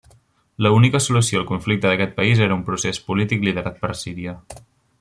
L'única solució al conflicte en aquest país era un procés polític liderat per Síria.